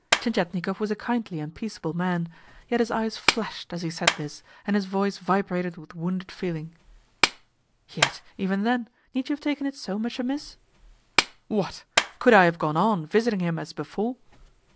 Tientietnikov was a kindly and peaceable man, yet his eyes flashed as he said this, and his voice vibrated with wounded feeling. "Yet, even then, need you have taken it so much amiss?" "What? Could I have gone on visiting him as before?"